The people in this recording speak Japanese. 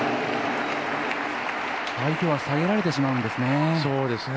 相手は下げられてしまうんですね。